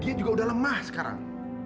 dia juga udah lemah sekarang